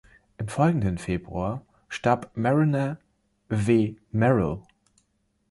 Im folgenden Februar starb Marriner W. Merrill.